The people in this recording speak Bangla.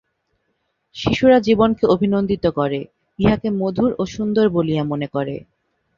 শিশুরা জীবনকে অভিনন্দিত করে, ইহাকে মধুর ও সুন্দর বলিয়া মনে করে।